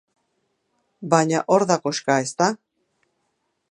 Baina hor da koxka, ezta?